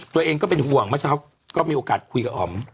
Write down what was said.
ก็เป็นห่วงเมื่อเช้าก็มีโอกาสคุยกับอ๋อม